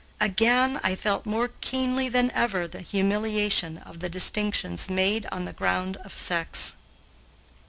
Again I felt more keenly than ever the humiliation of the distinctions made on the ground of sex.